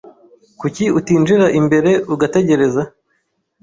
Kuki utinjira imbere ugategereza?